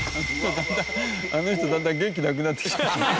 あの人だんだん元気なくなってきた。